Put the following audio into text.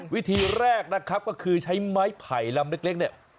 วิธีแรกนะครับก็คือใช้ไม้ไผ่ลำเล็กเนี่ย